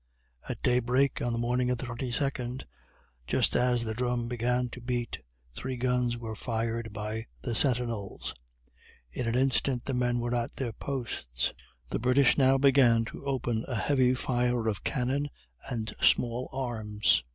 At day break, on the morning of the 22nd, just as the drum began to beat, three guns were fired by the sentinels; in an instant the men were at their posts. The British now began to open a heavy fire of cannon and small arms.